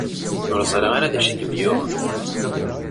Ur ẓriɣ ara d acu i kem-yuɣen.